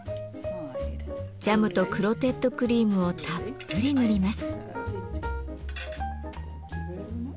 ジャムとクロテッドクリームをたっぷり塗ります。